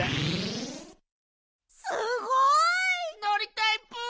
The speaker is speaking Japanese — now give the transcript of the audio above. すごい！のりたいプ！